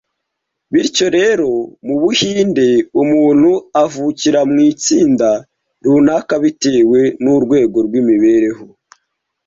Bityo rero, mu Buhindi umuntu avukira mu itsinda runaka bitewe n’urwego rw’imibereho